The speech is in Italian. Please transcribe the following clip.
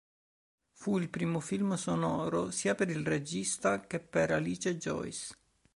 Fu il primo film sonoro sia per il regista che per Alice Joyce.